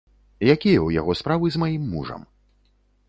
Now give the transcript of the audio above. Якія ў яго справы з маім мужам?